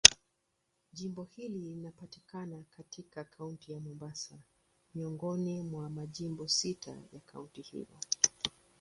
Jimbo hili linapatikana katika Kaunti ya Mombasa, miongoni mwa majimbo sita ya kaunti hiyo.